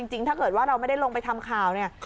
จริงถ้าเกิดว่าเราไม่ได้ลงไปทำข่าวเนี่ย